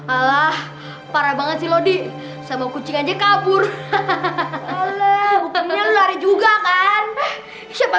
ala para banget sih lodi sama kucing aja kabur hahaha lu lari juga kan eh siapa